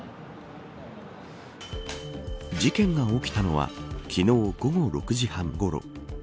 事件が起きたのは昨日午後６時半ごろ。